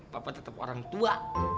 bapak tetap orang tua